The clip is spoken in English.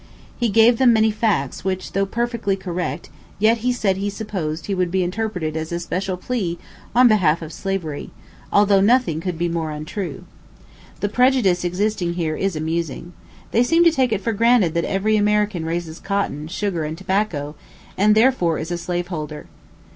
He gave them many facts, which, though perfectly correct, yet he said he supposed would be interpreted as a special plea on behalf of slavery although nothing could be more untrue. The prejudice existing here is amusing. They seem to take it for granted that every American raises cotton, sugar, and tobacco, and, therefore, is a slaveholder.